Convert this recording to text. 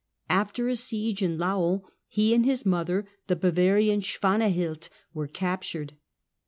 After a siege in Laon he and his mother, the Bavarian Swanahild, were captured.